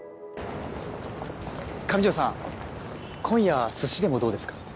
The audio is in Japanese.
今夜寿司でもどうですか？